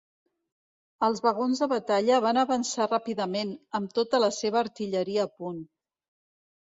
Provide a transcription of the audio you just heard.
Els vagons de batalla van avançar ràpidament, amb tota la seva artilleria a punt.